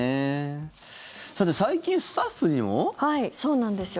最近、スタッフにも？はい、そうなんですよ。